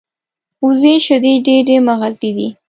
وزې شیدې ډېرې مغذي دي